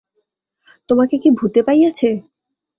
তোমাকে কি ভূতে পাইয়াছে?